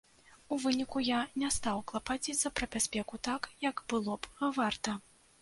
У выніку я не стаў клапаціцца пра бяспеку так, як было б варта.